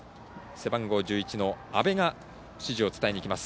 背番号１１の阿部が指示を伝えにいきます。